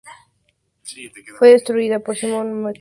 Fue destruida por Simón Macabeo en esta lucha.